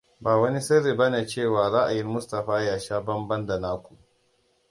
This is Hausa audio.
Ba wani sirri bane cewa ra'ayin Mustapha ya sha bamban da naku.